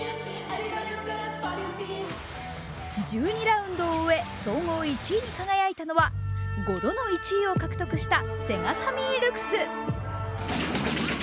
１２ラウンドを終え総合１位に輝いたのは５度の１位を獲得したＳＥＧＡＳＡＭＭＹＬＵＸ。